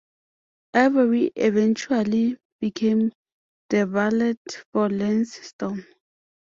Ivory eventually became the valet for Lance Storm.